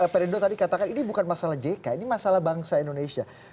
perindo tadi katakan ini bukan masalah jk ini masalah bangsa indonesia